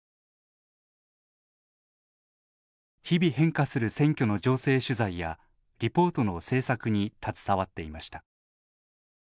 日々、変化する選挙の情勢取材やリポートの制作に携わっていました。